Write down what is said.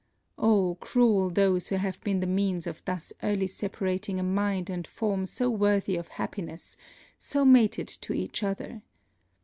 Oh, cruel those who have been the means of thus early separating a mind and form so worthy of happiness, so mated to each other!